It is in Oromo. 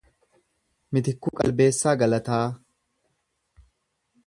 Mitikkuu Qalbeessaa Galataa